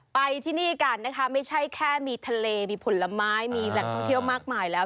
ไปที่นี่กันนะคะไม่ใช่แค่มีทะเลมีผลไม้มีแหล่งท่องเที่ยวมากมายแล้ว